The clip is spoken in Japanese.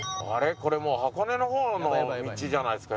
これもう箱根の方の道じゃないですか？